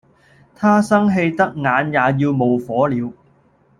他生氣得眼也要冒火了